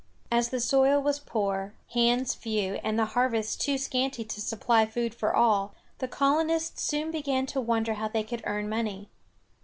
As the soil was poor, hands few, and the harvests too scanty to supply food for all, the colonists soon began to wonder how they could earn money.